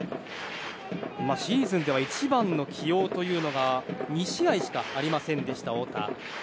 シーズンでは１番の起用というのが２試合しかありませんでした太田。